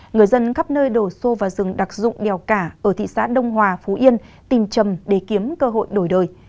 người dân khắp nơi đổ xô vào rừng đặc dụng đèo cả ở thị xã đông hòa phú yên tìm chầm để kiếm cơ hội đổi đời